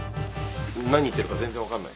何言ってるか全然分かんない。